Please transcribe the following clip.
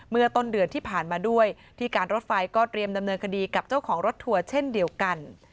เมื่อต้นเดือนที่ผ่านมาด้วยที่การรถไฟก็เตรียมดำเนินคดีกับเจ้าของรถทัวร์เช่นเดียวกัน